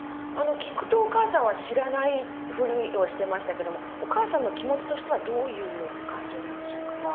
あの聞くとお母さんは知らないふりをしてましたけどもお母さんの気持ちとしてはどういう感情なんでしょうか。